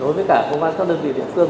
đối với cả công an các đơn vị địa phương